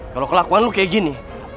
kalo kelakuan lo kayak gini